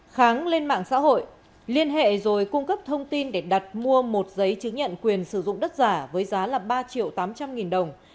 kháng lên mạng xã hội liên hệ rồi cung cấp thông tin để đặt mua một giấy chứng nhận quyền sử dụng đất giả với giá ba triệu tám trăm linh nghìn đồng